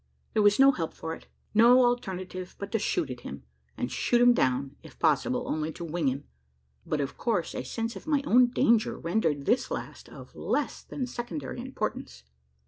There was no help for it no alternative but to shoot at him, and shoot him down if possible, only to wing him; but, of course, a sense of my own danger rendered this last of less than secondary importance.